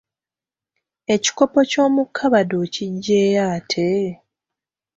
Ebikopo by’omu kkabada okiggyeeyo ate?